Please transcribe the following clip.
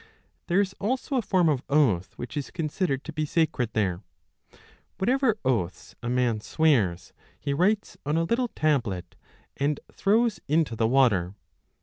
There is also a form of oath, which is considered to be sacred there; whatever oaths a man swears he writes on a little tablet, and throws into the water.